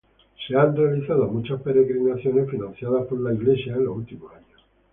Se han realizado muchas peregrinaciones financiadas por la Iglesia en los últimos años.